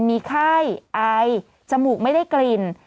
มีไข้อายจมูกไม่ได้กลิ่น